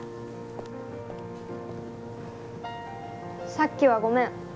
さっきはごめん。